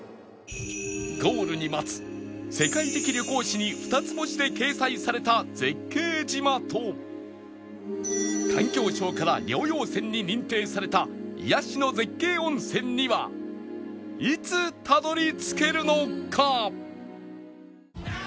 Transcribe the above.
ゴールに待つ世界的旅行誌に二つ星で掲載された絶景島と環境省から療養泉に認定された癒やしの絶景温泉にはいつたどり着けるのか？